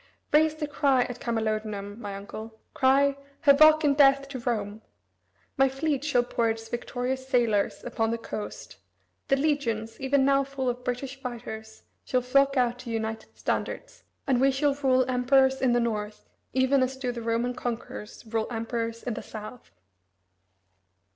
Raise the cry at Camalodunum, my uncle; cry: 'Havoc and death to Rome!' My fleet shall pour its victorious sailors upon the coast; the legions, even now full of British fighters, shall flock to out united standards, and we shall rule Emperors in the North, even as do the Roman conquerors rule Emperors in the South."